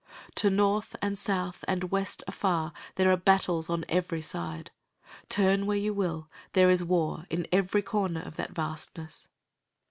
To north and south and west afar there are battles on every side. Turn where you will, there is war in every corner of that vastness.